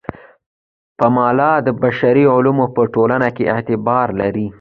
پملا د بشري علومو په ټولنو کې اعتبار لري.